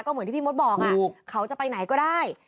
เหมือนที่พี่มดบอกเขาจะไปไหนก็ได้